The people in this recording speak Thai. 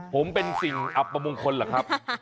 ผมเป็นสิ่งอบบงคลหรือครับ